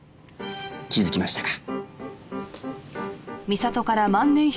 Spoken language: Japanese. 気づきましたか。